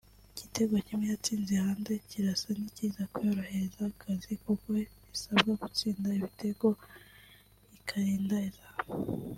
igitego kimwe yatsinze hanze kirasa n’ikiza kuyorohereza akazi kuko isabwa gutsinda ibitego ikarinda izamu